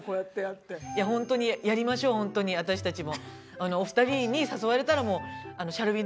いやホントにやりましょうホントに私たちも。